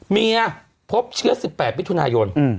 เมียพบเชื้อ๑๘มิถุนายน